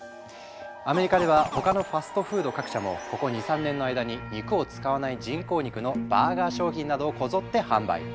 アメリカでは他のファストフード各社もここ２３年の間に肉を使わない人工肉のバーガー商品などをこぞって販売。